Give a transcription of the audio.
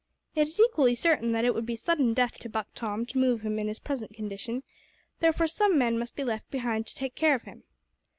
It is equally certain that it would be sudden death to Buck Tom to move him in his present condition, therefore some men must be left behind to take care of him.